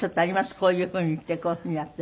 こういうふうにしてこういうふうにやって。